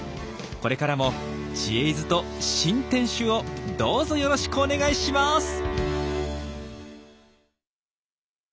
これからも「知恵泉」と新店主をどうぞよろしくお願いします！